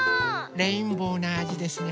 レインボーなあじですね。